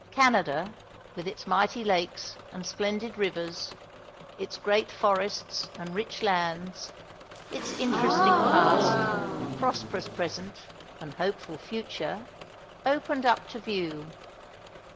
Canada with its mighty lakes and splendid rivers, its great forests and rich lands, its interesting past, prosperous present, and hopeful future opened up to view.